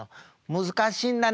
難しいんだね